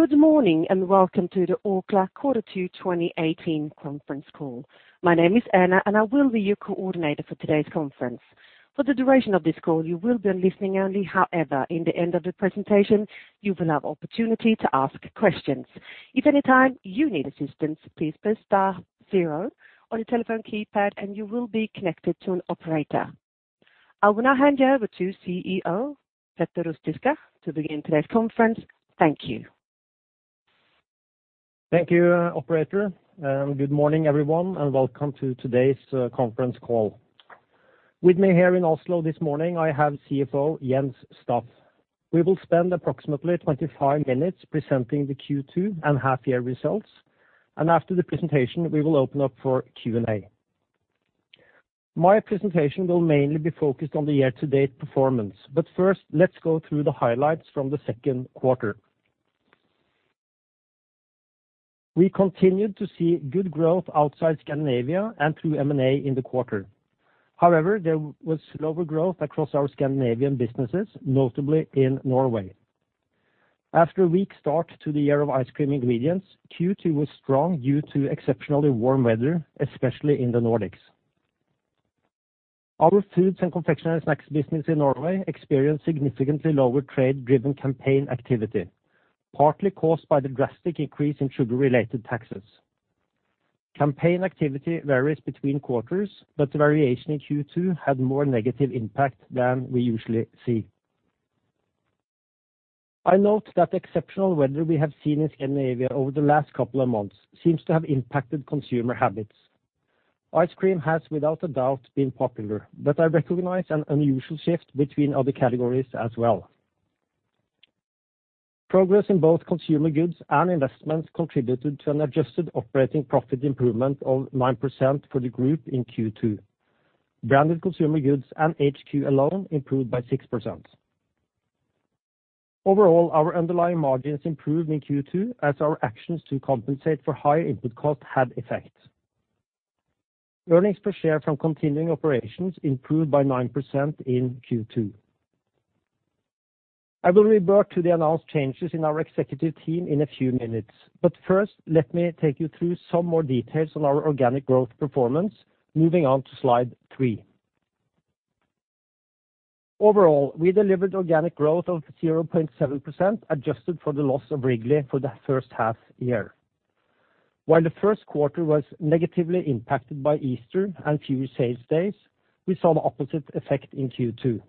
Good morning, welcome to the Orkla Quarter Two 2018 conference call. My name is Anna, and I will be your coordinator for today's conference. For the duration of this call, you will be listening only. In the end of the presentation, you will have opportunity to ask questions. If any time you need assistance, please press star zero on your telephone keypad and you will be connected to an operator. I will now hand you over to CEO, Peter A. Ruzicka, to begin today's conference. Thank you. Thank you, operator. Good morning, everyone, welcome to today's conference call. With me here in Oslo this morning, I have CFO Jens Staff. We will spend approximately 25 minutes presenting the Q2 and half-year results. After the presentation, we will open up for Q&A. My presentation will mainly be focused on the year-to-date performance. First, let's go through the highlights from the second quarter. We continued to see good growth outside Scandinavia and through M&A in the quarter. There was slower growth across our Scandinavian businesses, notably in Norway. After a weak start to the year of ice cream ingredients, Q2 was strong due to exceptionally warm weather, especially in the Nordics. Our foods and confectionery snacks business in Norway experienced significantly lower trade-driven campaign activity, partly caused by the drastic increase in sugar-related taxes. Campaign activity varies between quarters. The variation in Q2 had more negative impact than we usually see. I note that the exceptional weather we have seen in Scandinavia over the last couple of months seems to have impacted consumer habits. Ice cream has without a doubt been popular. I recognize an unusual shift between other categories as well. Progress in both consumer goods and investments contributed to an adjusted operating profit improvement of 9% for the group in Q2. Branded Consumer Goods and HQ alone improved by 6%. Overall, our underlying margins improved in Q2 as our actions to compensate for higher input cost had effect. Earnings per share from continuing operations improved by 9% in Q2. I will revert to the announced changes in our executive team in a few minutes. First, let me take you through some more details on our organic growth performance, moving on to slide three. Overall, we delivered organic growth of 0.7% adjusted for the loss of Wrigley for the first half year. The first quarter was negatively impacted by Easter and fewer sales days, we saw the opposite effect in Q2.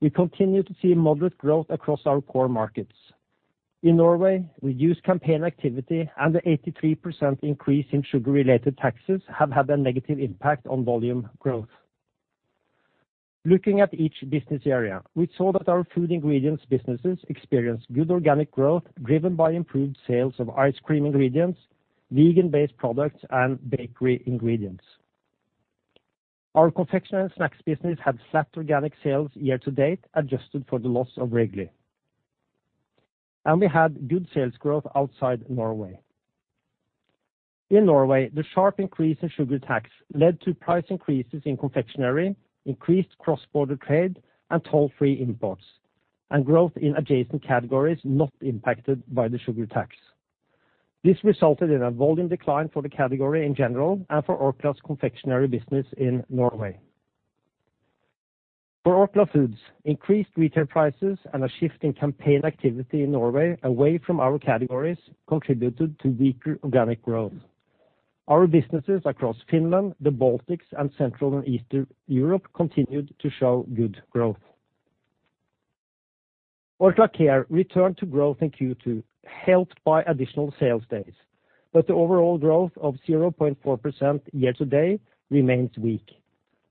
We continue to see moderate growth across our core markets. In Norway, reduced campaign activity and the 83% increase in sugar-related taxes have had a negative impact on volume growth. Looking at each business area, we saw that our Food Ingredients businesses experienced good organic growth driven by improved sales of ice cream ingredients, vegan-based products, and bakery ingredients. Our confectionery snacks business had flat organic sales year to date, adjusted for the loss of Wrigley. We had good sales growth outside Norway. In Norway, the sharp increase in sugar tax led to price increases in confectionery, increased cross-border trade and toll-free imports, and growth in adjacent categories not impacted by the sugar tax. This resulted in a volume decline for the category in general and for Orkla's confectionery business in Norway. For Orkla Foods, increased retail prices and a shift in campaign activity in Norway away from our categories contributed to weaker organic growth. Our businesses across Finland, the Baltics, and Central and Eastern Europe continued to show good growth. Orkla Care returned to growth in Q2, helped by additional sales days, but the overall growth of 0.4% year to date remains weak.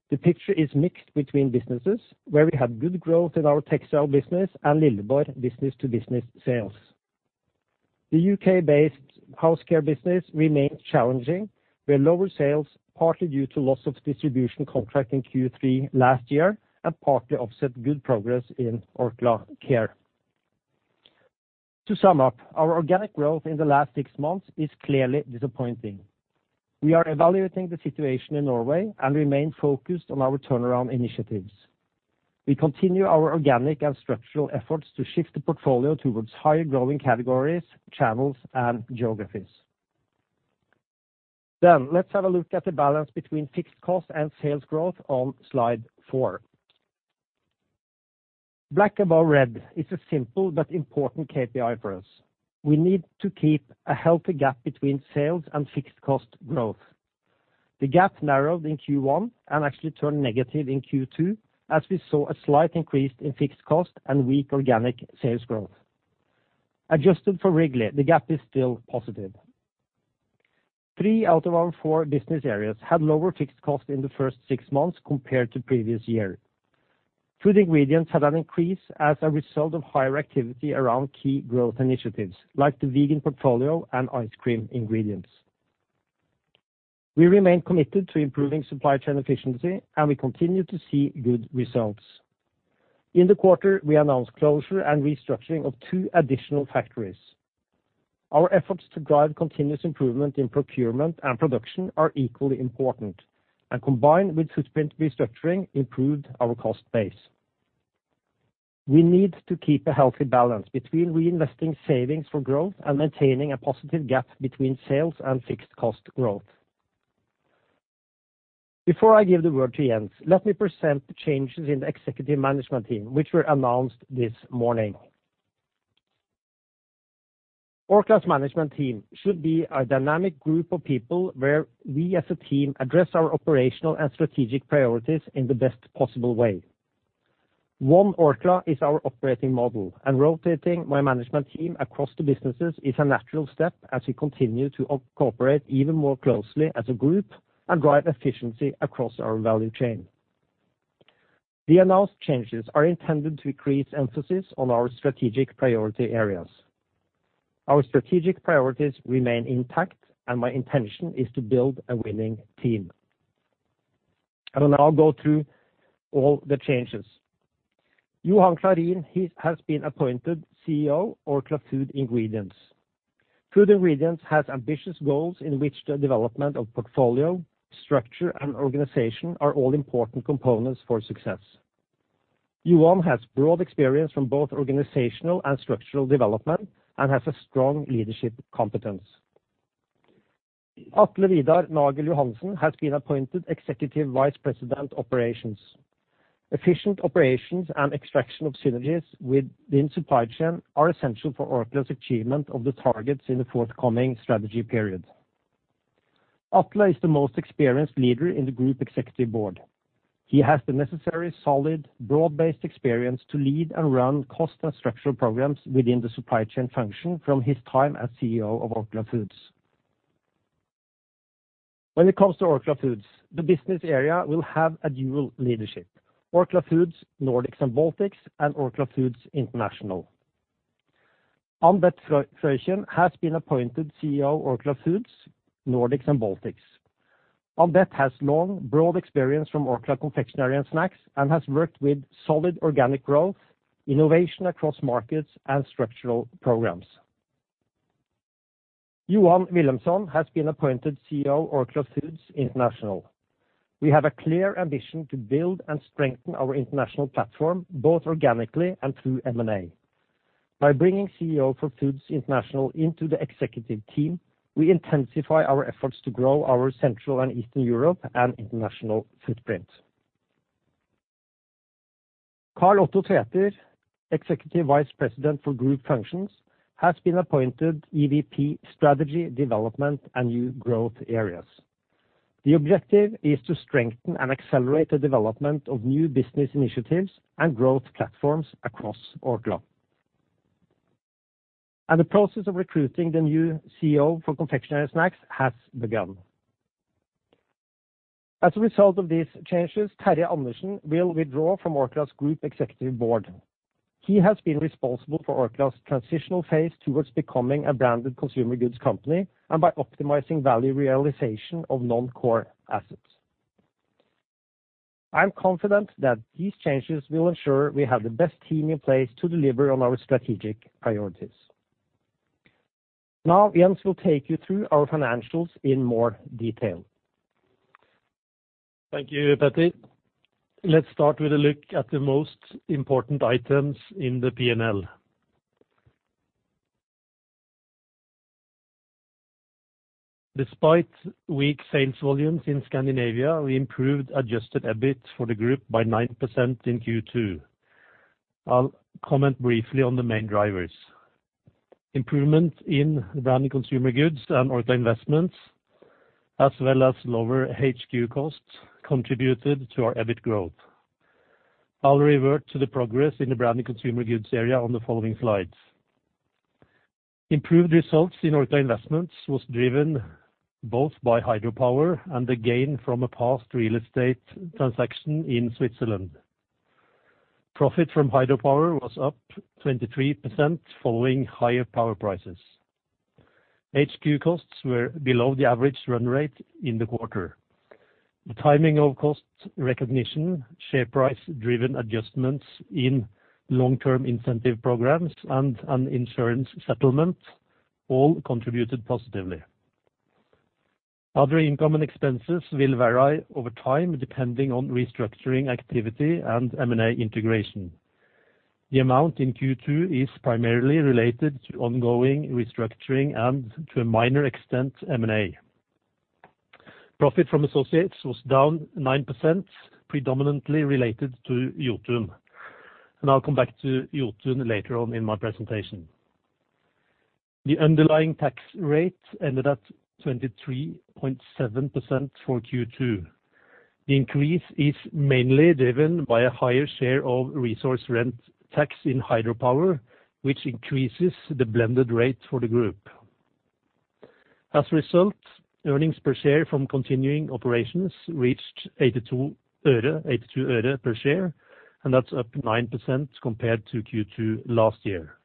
The picture is mixed between businesses, where we have good growth in our textile business and Lilleborg business-to-business sales. The U.K.-based house care business remains challenging, where lower sales, partly due to loss of distribution contract in Q3 last year and partly offset good progress in Orkla Care. To sum up, our organic growth in the last six months is clearly disappointing. We are evaluating the situation in Norway and remain focused on our turnaround initiatives. We continue our organic and structural efforts to shift the portfolio towards higher growing categories, channels, and geographies. Let's have a look at the balance between fixed cost and sales growth on slide 4. Black above red is a simple but important KPI for us. We need to keep a healthy gap between sales and fixed cost growth. The gap narrowed in Q1 and actually turned negative in Q2, as we saw a slight increase in fixed cost and weak organic sales growth. Adjusted for Wrigley, the gap is still positive. Three out of our four business areas had lower fixed cost in the first six months compared to previous year. Food Ingredients had an increase as a result of higher activity around key growth initiatives, like the vegan portfolio and ice cream ingredients. We remain committed to improving supply chain efficiency, and we continue to see good results. In the quarter, we announced closure and restructuring of two additional factories. Our efforts to drive continuous improvement in procurement and production are equally important, and combined with sustainability restructuring improved our cost base. We need to keep a healthy balance between reinvesting savings for growth and maintaining a positive gap between sales and fixed cost growth. Before I give the word to Jens, let me present the changes in the executive management team, which were announced this morning. Orkla's management team should be a dynamic group of people where we as a team address our operational and strategic priorities in the best possible way. One Orkla is our operating model, and rotating my management team across the businesses is a natural step as we continue to cooperate even more closely as a group and drive efficiency across our value chain. The announced changes are intended to increase emphasis on our strategic priority areas. Our strategic priorities remain intact, and my intention is to build a winning team. I will now go through all the changes. Johan Clarin, he has been appointed CEO Orkla Food Ingredients. Food Ingredients has ambitious goals in which the development of portfolio, structure, and organization are all important components for success. Johan has broad experience from both organizational and structural development and has a strong leadership competence. Atle Vidar Nagel Johansen has been appointed Executive Vice President Operations. Efficient operations and extraction of synergies within supply chain are essential for Orkla's achievement of the targets in the forthcoming strategy period. Atle is the most experienced leader in the Group Executive Board. He has the necessary solid, broad-based experience to lead and run cost and structural programs within the supply chain function from his time as CEO of Orkla Foods. When it comes to Orkla Foods, the business area will have a dual leadership. Orkla Foods Nordics and Baltics and Orkla Foods International. Ann-Beth Freuchen has been appointed CEO Orkla Foods Nordics and Baltics. Ann-Beth has long, broad experience from Orkla Confectionery and Snacks and has worked with solid organic growth, innovation across markets, and structural programs. Johan Wilhelmsson has been appointed CEO Orkla Foods International. We have a clear ambition to build and strengthen our international platform, both organically and through M&A. By bringing CEO for Foods International into the executive team, we intensify our efforts to grow our Central and Eastern Europe and international footprint. Karl Otto Tveter, Executive Vice President for Group Functions, has been appointed EVP Strategy Development and New Growth Areas. The objective is to strengthen and accelerate the development of new business initiatives and growth platforms across Orkla. The process of recruiting the new CEO for Confectionery and Snacks has begun. As a result of these changes, Terje Andersen will withdraw from Orkla's Group Executive Board. He has been responsible for Orkla's transitional phase towards becoming a branded consumer goods company and by optimizing value realization of non-core assets. I'm confident that these changes will ensure we have the best team in place to deliver on our strategic priorities. Now, Jens will take you through our financials in more detail. Thank you, Peter. Let's start with a look at the most important items in the P&L. Despite weak sales volumes in Scandinavia, we improved adjusted EBIT for the group by 9% in Q2. I'll comment briefly on the main drivers. Improvement in the Branded Consumer Goods and Orkla Investments, as well as lower HQ costs contributed to our EBIT growth. I'll revert to the progress in the Branded Consumer Goods area on the following slides. Improved results in Orkla Investments was driven both by hydropower and the gain from a past real estate transaction in Switzerland. Profit from hydropower was up 23% following higher power prices. HQ costs were below the average run rate in the quarter. The timing of cost recognition, share price-driven adjustments in long-term incentive programs, and an insurance settlement all contributed positively. Other income and expenses will vary over time depending on restructuring activity and M&A integration. The amount in Q2 is primarily related to ongoing restructuring and, to a minor extent, M&A. Profit from associates was down 9%, predominantly related to Jotun, and I'll come back to Jotun later on in my presentation. The underlying tax rate ended at 23.7% for Q2. The increase is mainly driven by a higher share of resource rent tax in hydropower, which increases the blended rate for the group. As a result, earnings per share from continuing operations reached NOK 0.82 per share, and that's up 9% compared to Q2 last year.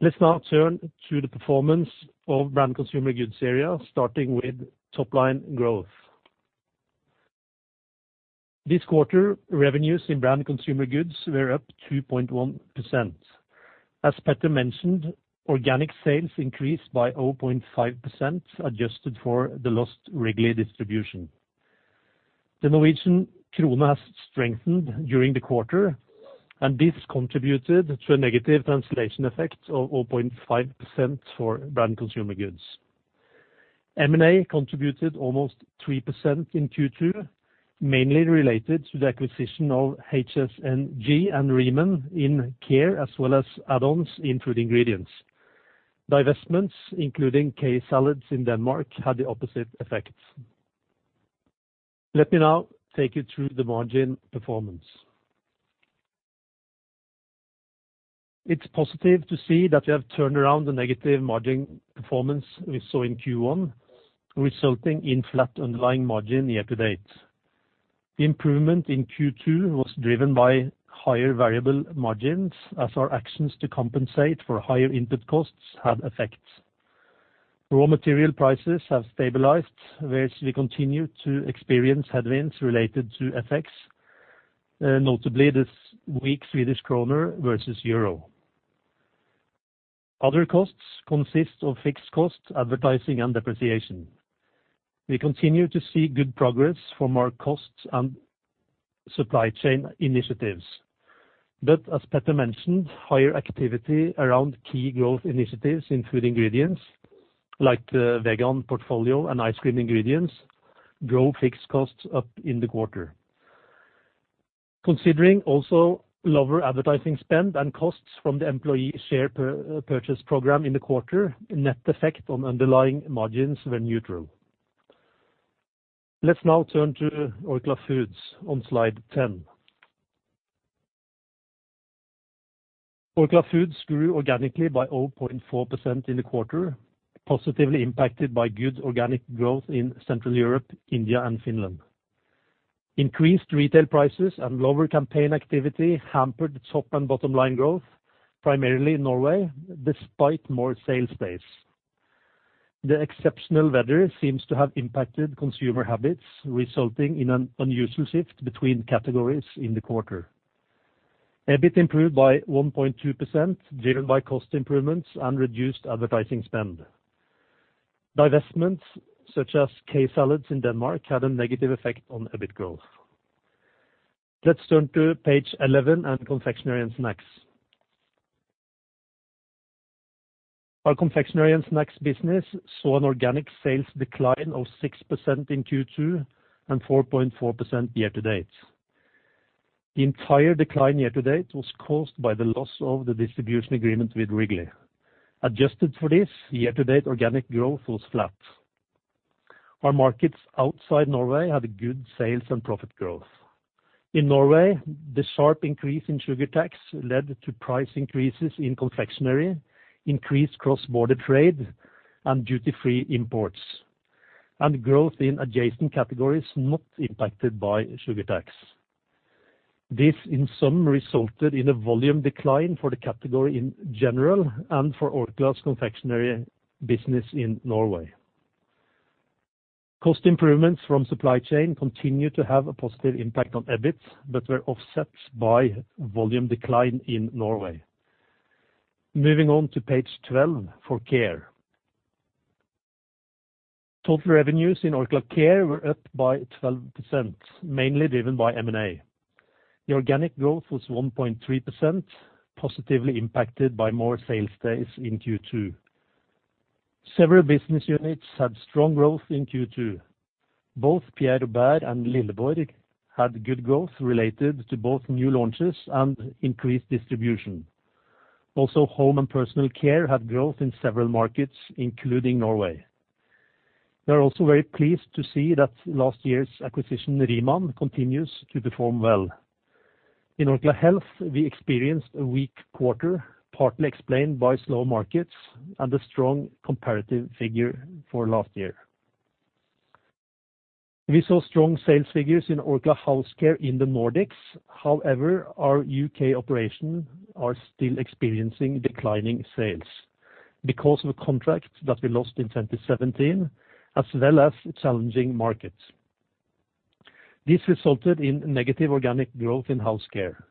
Let's now turn to the performance of Branded Consumer Goods area, starting with top-line growth. This quarter, revenues in Branded Consumer Goods were up 2.1%. As Peter mentioned, organic sales increased by 0.5%, adjusted for the lost Wrigley distribution. The Norwegian krone has strengthened during the quarter, and this contributed to a negative translation effect of 0.5% for Branded Consumer Goods. M&A contributed almost 3% in Q2, mainly related to the acquisition of HSNG and Reemtsma in Orkla Care, as well as add-ons in Orkla Food Ingredients. Divestments, including K-Salat in Denmark, had the opposite effects. Let me now take you through the margin performance. It's positive to see that we have turned around the negative margin performance we saw in Q1, resulting in flat underlying margin year to date. The improvement in Q2 was driven by higher variable margins as our actions to compensate for higher input costs had effects. Raw material prices have stabilized, whereas we continue to experience headwinds related to FX, notably this weak Swedish kroner versus EUR. Other costs consist of fixed costs, advertising, and depreciation. We continue to see good progress from our costs and supply chain initiatives. As Petter mentioned, higher activity around key growth initiatives in Orkla Food Ingredients like the vegan portfolio and ice cream ingredients drove fixed costs up in the quarter. Considering also lower advertising spend and costs from the employee share purchase program in the quarter, net effect on underlying margins were neutral. Let's now turn to Orkla Foods on slide 10. Orkla Foods grew organically by 0.4% in the quarter, positively impacted by good organic growth in Central Europe, India, and Finland. Increased retail prices and lower campaign activity hampered top and bottom-line growth, primarily in Norway, despite more sales pace. The exceptional weather seems to have impacted consumer habits, resulting in an unusual shift between categories in the quarter. EBIT improved by 1.2%, driven by cost improvements and reduced advertising spend. Divestments such as K-Salat in Denmark had a negative effect on EBIT growth. Let's turn to page 11 and Confectionery and Snacks. Our Confectionery and Snacks business saw an organic sales decline of 6% in Q2 and 4.4% year to date. The entire decline year to date was caused by the loss of the distribution agreement with Wrigley. Adjusted for this, year-to-date organic growth was flat. Our markets outside Norway had good sales and profit growth. In Norway, the sharp increase in sugar tax led to price increases in confectionery, increased cross-border trade and duty-free imports, and growth in adjacent categories not impacted by sugar tax. This, in sum, resulted in a volume decline for the category in general and for Orkla's confectionery business in Norway. Cost improvements from supply chain continue to have a positive impact on EBIT but were offset by volume decline in Norway. Moving on to page 12 for Care. Total revenues in Orkla Care were up by 12%, mainly driven by M&A. The organic growth was 1.3%, positively impacted by more sales days in Q2. Several business units had strong growth in Q2. Both Pierre Robert and Lilleborg had good growth related to both new launches and increased distribution. Also, home and personal care had growth in several markets, including Norway. We are also very pleased to see that last year's acquisition, Reemtsma, continues to perform well. In Orkla Health, we experienced a weak quarter, partly explained by slow markets and a strong comparative figure for last year. We saw strong sales figures in Orkla House Care in the Nordics. However, our U.K. operation are still experiencing declining sales because of a contract that we lost in 2017, as well as challenging markets. This resulted in negative organic growth in House Care.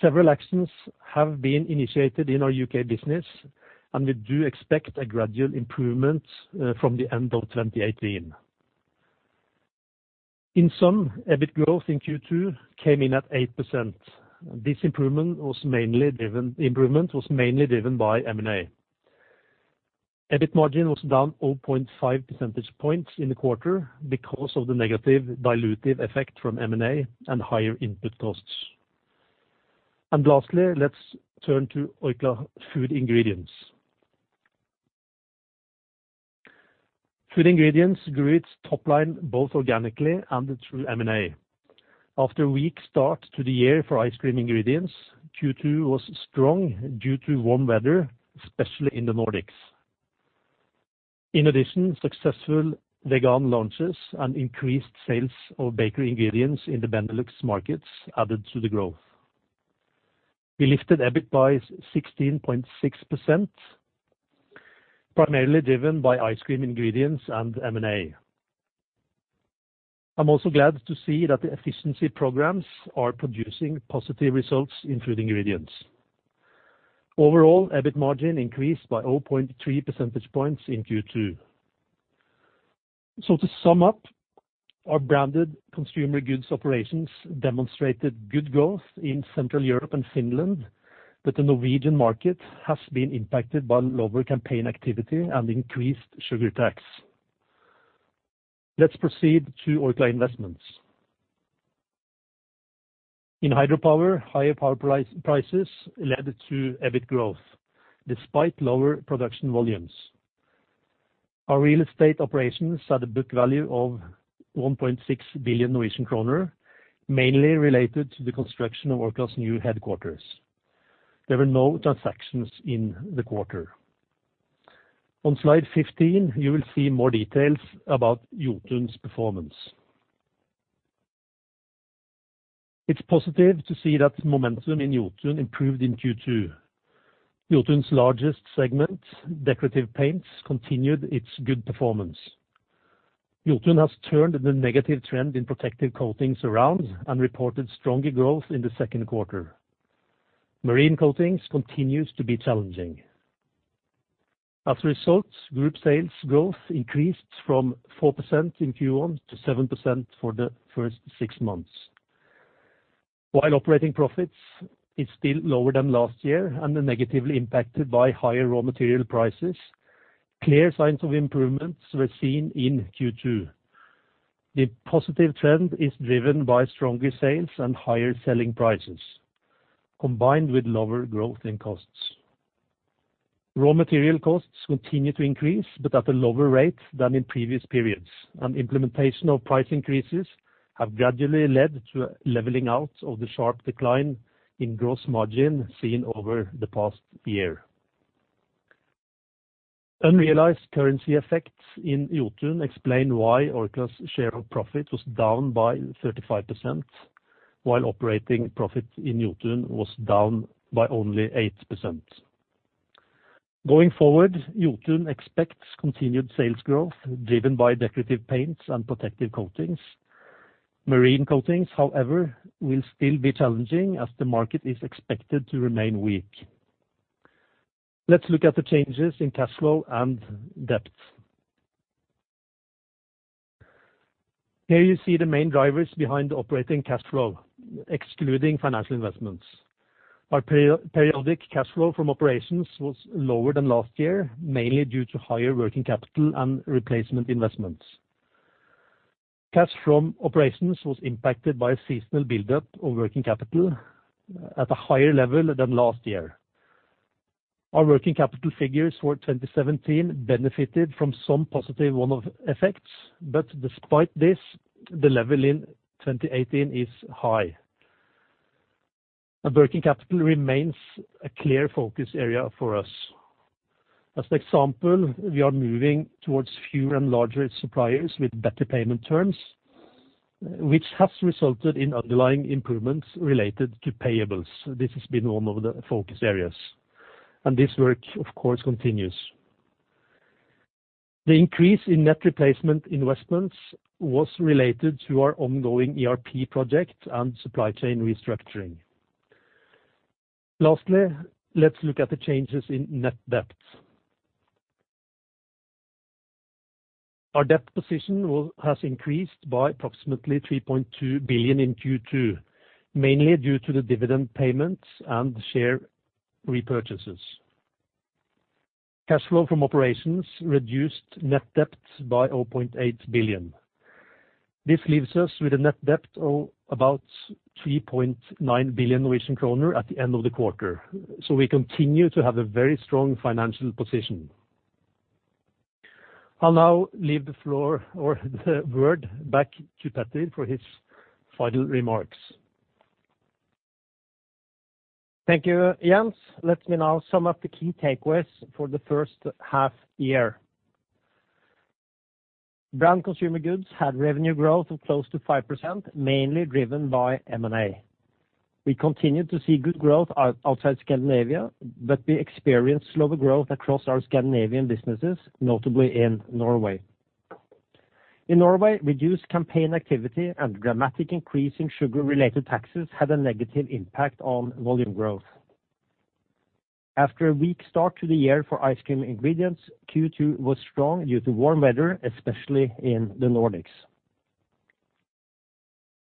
Several actions have been initiated in our U.K. business, we do expect a gradual improvement from the end of 2018. In sum, EBIT growth in Q2 came in at 8%. This improvement was mainly driven by M&A. EBIT margin was down 0.5 percentage points in the quarter because of the negative dilutive effect from M&A and higher input costs. Lastly, let's turn to Orkla Food Ingredients. Food Ingredients grew its top line both organically and through M&A. After a weak start to the year for ice cream ingredients, Q2 was strong due to warm weather, especially in the Nordics. In addition, successful vegan launches and increased sales of bakery ingredients in the Benelux markets added to the growth. We lifted EBIT by 16.6%, primarily driven by ice cream ingredients and M&A. I'm also glad to see that the efficiency programs are producing positive results in Food Ingredients. Overall, EBIT margin increased by 0.3 percentage points in Q2. To sum up, our Branded Consumer Goods operations demonstrated good growth in Central Europe and Finland, but the Norwegian market has been impacted by lower campaign activity and increased sugar tax. Let's proceed to Orkla Investments. In hydropower, higher power prices led to EBIT growth despite lower production volumes. Our real estate operations had a book value of 1.6 billion Norwegian kroner, mainly related to the construction of Orkla's new headquarters. There were no transactions in the quarter. On slide 15, you will see more details about Jotun's performance. It's positive to see that momentum in Jotun improved in Q2. Jotun's largest segment, decorative paints, continued its good performance. Jotun has turned the negative trend in protective coatings around and reported stronger growth in the second quarter. Marine coatings continues to be challenging. As a result, group sales growth increased from 4% in Q1 to 7% for the first six months. While operating profits is still lower than last year and are negatively impacted by higher raw material prices, clear signs of improvements were seen in Q2. The positive trend is driven by stronger sales and higher selling prices, combined with lower growth in costs. Raw material costs continue to increase, but at a lower rate than in previous periods, and implementation of price increases have gradually led to a leveling out of the sharp decline in gross margin seen over the past year. Unrealized currency effects in Jotun explain why Orkla's share of profit was down by 35%, while operating profit in Jotun was down by only 8%. Going forward, Jotun expects continued sales growth driven by decorative paints and protective coatings. Marine coatings, however, will still be challenging as the market is expected to remain weak. Let's look at the changes in cash flow and debt. Here you see the main drivers behind operating cash flow, excluding financial investments. Our periodic cash flow from operations was lower than last year, mainly due to higher working capital and replacement investments. Cash from operations was impacted by a seasonal buildup of working capital at a higher level than last year. Our working capital figures for 2017 benefited from some positive one-off effects, but despite this, the level in 2018 is high. Our working capital remains a clear focus area for us. As an example, we are moving towards fewer and larger suppliers with better payment terms, which has resulted in underlying improvements related to payables. This has been one of the focus areas, and this work, of course, continues. The increase in net replacement investments was related to our ongoing ERP project and supply chain restructuring. Lastly, let's look at the changes in net debt. Our debt position has increased by approximately 3.2 billion in Q2, mainly due to the dividend payments and share repurchases. Cash flow from operations reduced net debt by 8 billion. This leaves us with a net debt of about 3.9 billion Norwegian kroner at the end of the quarter. We continue to have a very strong financial position. I'll now leave the floor or the word back to Peter for his final remarks. Thank you, Jens. Let me now sum up the key takeaways for the first half year. Branded Consumer Goods had revenue growth of close to 5%, mainly driven by M&A. We continued to see good growth outside Scandinavia, but we experienced slower growth across our Scandinavian businesses, notably in Norway. In Norway, reduced campaign activity and dramatic increase in sugar tax had a negative impact on volume growth. After a weak start to the year for ice cream ingredients, Q2 was strong due to warm weather, especially in the Nordics.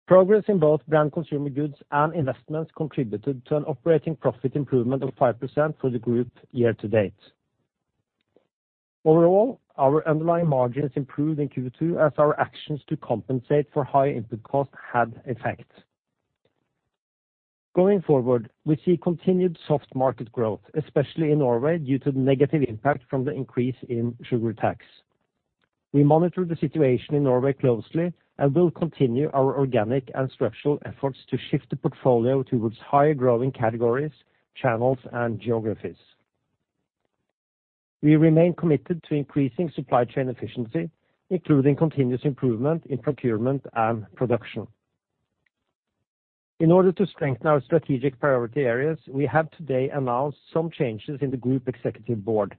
Progress in both Branded Consumer Goods and Investments contributed to an operating profit improvement of 5% for the group year to date. Overall, our underlying margins improved in Q2 as our actions to compensate for high input costs had effect. Going forward, we see continued soft market growth, especially in Norway, due to the negative impact from the increase in sugar tax. We monitor the situation in Norway closely and will continue our organic and structural efforts to shift the portfolio towards higher growing categories, channels, and geographies. We remain committed to increasing supply chain efficiency, including continuous improvement in procurement and production. In order to strengthen our strategic priority areas, we have today announced some changes in the group executive board.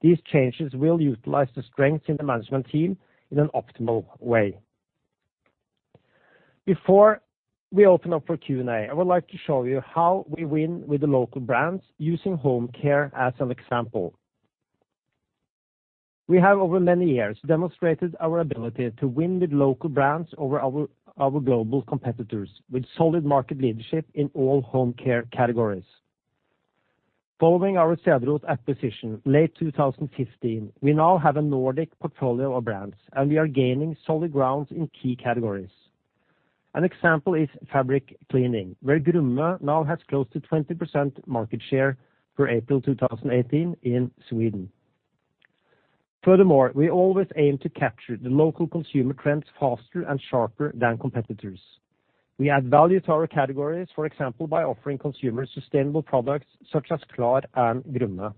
These changes will utilize the strengths in the management team in an optimal way. Before we open up for Q&A, I would like to show you how we win with the local brands using home care as an example. We have over many years demonstrated our ability to win with local brands over our global competitors, with solid market leadership in all home care categories. Following our Cederroth acquisition late 2015, we now have a Nordic portfolio of brands, and we are gaining solid ground in key categories. An example is fabric cleaning, where Grumme now has close to 20% market share for April 2018 in Sweden. Furthermore, we always aim to capture the local consumer trends faster and sharper than competitors. We add value to our categories, for example, by offering consumers sustainable products such as Klar and Grumme.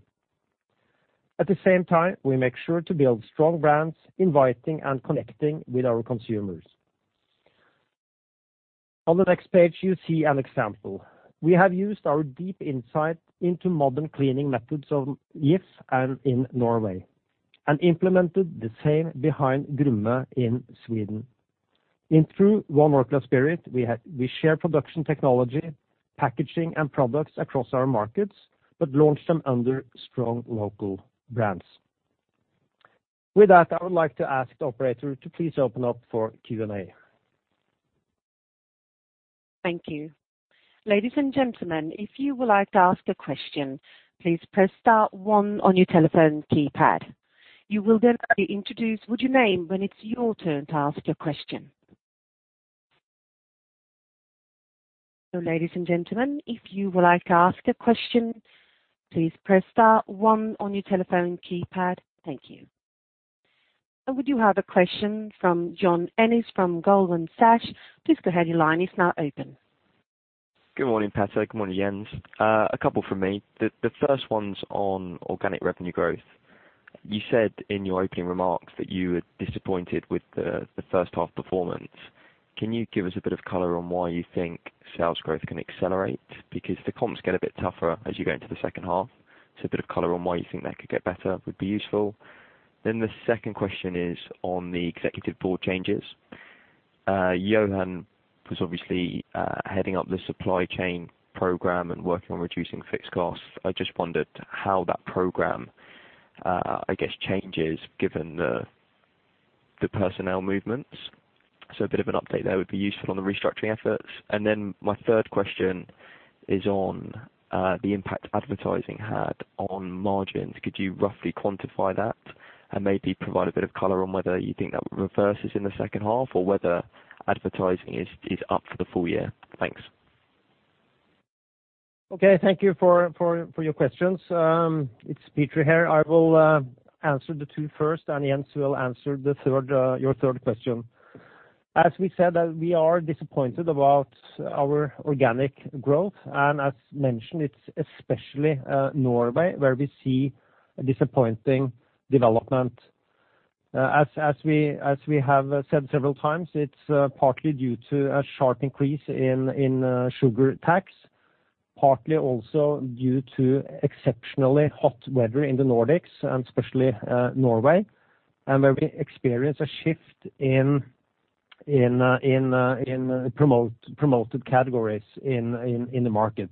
At the same time, we make sure to build strong brands, inviting and connecting with our consumers. On the next page, you see an example. We have used our deep insight into modern cleaning methods of Jif and in Norway and implemented the same behind Grumme in Sweden. In true One Orkla spirit, we share production technology, packaging, and products across our markets but launch them under strong local brands. With that, I would like to ask the operator to please open up for Q&A. Thank you. Ladies and gentlemen, if you would like to ask a question, please press star one on your telephone keypad. You will then be introduced with your name when it's your turn to ask a question. Ladies and gentlemen, if you would like to ask a question, please press star one on your telephone keypad. Thank you. We do have a question from John Ennis from Goldman Sachs. Please go ahead. Your line is now open. Good morning, Petter. Good morning, Jens. A couple from me. The first one's on organic revenue growth. You said in your opening remarks that you were disappointed with the first half performance. Can you give us a bit of color on why you think sales growth can accelerate? The comps get a bit tougher as you go into the second half. A bit of color on why you think that could get better would be useful. The second question is on the executive board changes. Johan was obviously heading up the supply chain program and working on reducing fixed costs. I just wondered how that program, I guess, changes given the personnel movements. A bit of an update there would be useful on the restructuring efforts. My third question is on the impact advertising had on margins. Could you roughly quantify that and maybe provide a bit of color on whether you think that reverses in the second half or whether advertising is up for the full year? Thanks. Okay. Thank you for your questions. It's Peter here. I will answer the two first, and Jens will answer your third question. As we said, we are disappointed about our organic growth, and as mentioned, it's especially Norway where we see a disappointing development. As we have said several times, it's partly due to a sharp increase in sugar tax, partly also due to exceptionally hot weather in the Nordics, and especially Norway, and where we experience a shift in promoted categories in the market.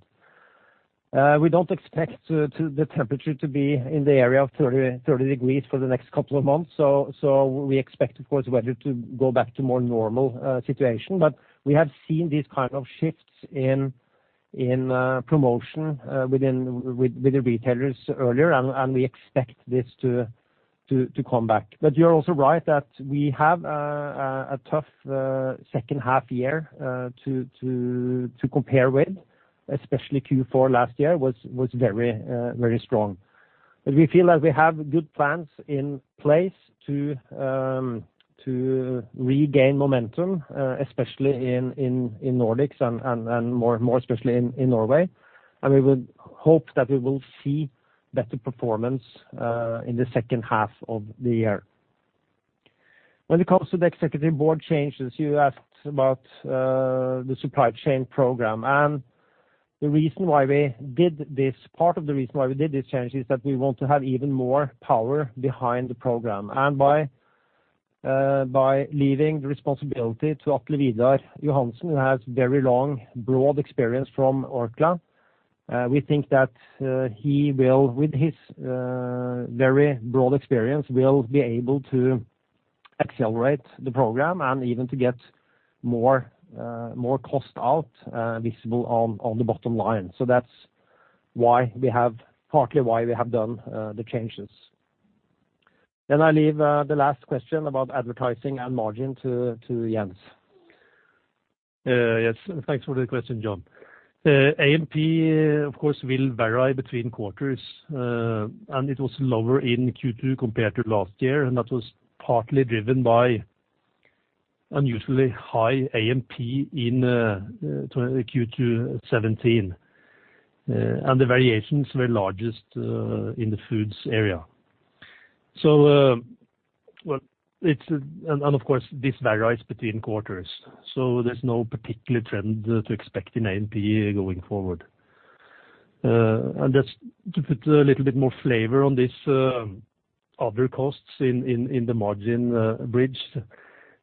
We don't expect the temperature to be in the area of 30 degrees for the next couple of months. We expect, of course, weather to go back to a more normal situation. We have seen these kinds of shifts in promotion with the retailers earlier, and we expect this to come back. You're also right that we have a tough second half year to compare with, especially Q4 last year was very strong. We feel like we have good plans in place to regain momentum, especially in Nordics and more especially in Norway. We would hope that we will see better performance in the second half of the year. When it comes to the executive board changes, you asked about the Supply Chain program. Part of the reason why we did this change is that we want to have even more power behind the program. By leaving the responsibility to Atle Vidar Johansen, who has very long, broad experience from Orkla, we think that he will, with his very broad experience, be able to accelerate the program and even to get more cost out visible on the bottom line. That's partly why we have done the changes. I leave the last question about advertising and margin to Jens. Yes. Thanks for the question, John. AMP, of course, will vary between quarters, and it was lower in Q2 compared to last year, and that was partly driven by Unusually high AMP in Q2 2017. The variations were largest in the foods area. Of course, this varies between quarters, so there's no particular trend to expect in AMP going forward. Just to put a little bit more flavor on this other costs in the margin bridge.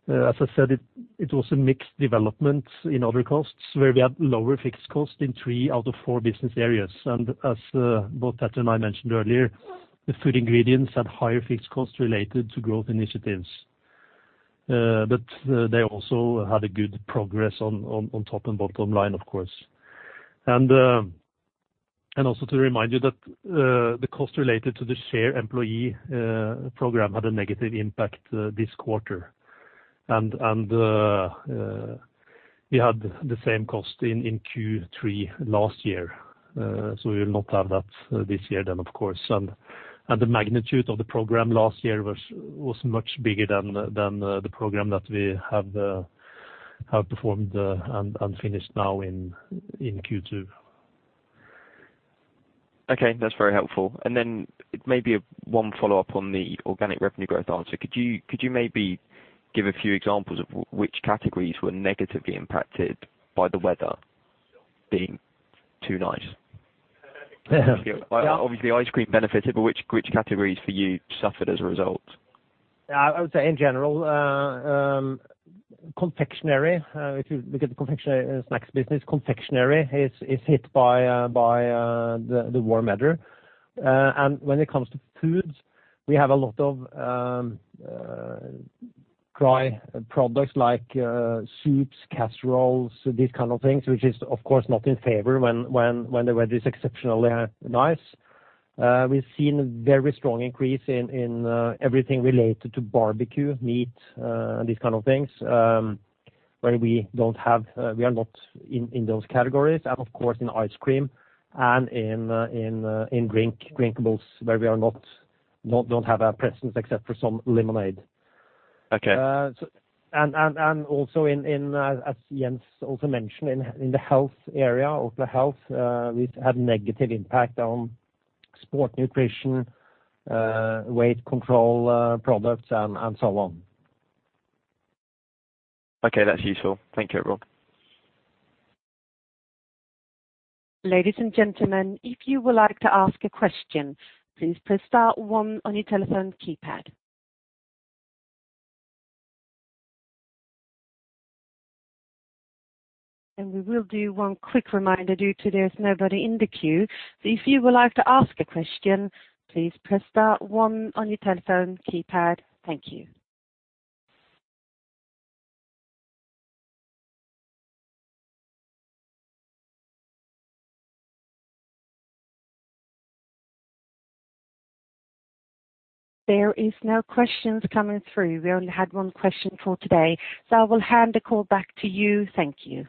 As I said, it was a mixed development in other costs, where we had lower fixed costs in three out of four business areas. As both Peter and I mentioned earlier, the food ingredients had higher fixed costs related to growth initiatives. They also had a good progress on top and bottom line, of course. Also to remind you that the cost related to the share employee program had a negative impact this quarter. We had the same cost in Q3 last year, so we will not have that this year, of course. The magnitude of the program last year was much bigger than the program that we have performed and finished now in Q2. Okay. That's very helpful. One follow-up on the organic revenue growth answer. Could you maybe give a few examples of which categories were negatively impacted by the weather being too nice? Obviously ice cream benefited, but which categories for you suffered as a result? I would say in general, confectionery. If you look at the confectionery snacks business, confectionery is hit by the warm weather. When it comes to foods, we have a lot of dry products like soups, casseroles, these kind of things, which is, of course, not in favor when the weather is exceptionally nice. We've seen a very strong increase in everything related to barbecue meat, these kind of things, where we are not in those categories. Of course, in ice cream and in drinkables, where we don't have a presence except for some lemonade. Okay. As Jens also mentioned, in the health area, Orkla Health, we had negative impact on sport nutrition, weight control products, and so on. Okay, that's useful. Thank you, Peter. Ladies and gentlemen, if you would like to ask a question, please press star one on your telephone keypad. We will do one quick reminder due to there's nobody in the queue. If you would like to ask a question, please press star one on your telephone keypad. Thank you. There is no questions coming through. We only had one question for today. I will hand the call back to you. Thank you.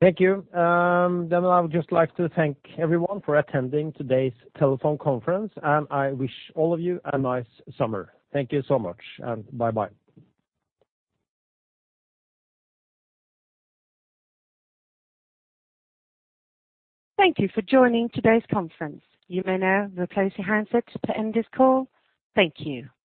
Thank you. I would just like to thank everyone for attending today's telephone conference, and I wish all of you a nice summer. Thank you so much and bye-bye. Thank you for joining today's conference. You may now close your handsets to end this call. Thank you.